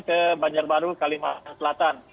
ke banjarbaru kalimantan selatan